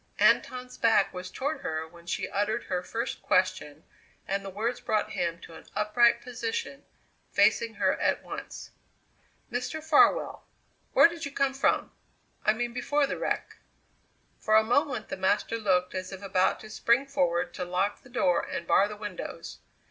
Anton's back was toward her when she uttered her first question and the words brought him to an upright position, facing her at once. "Mr. Farwell, where did you come from I mean before the wreck?" For a moment the master looked as if about to spring forward to lock the door and bar the windows.